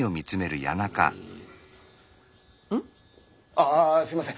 あすいません！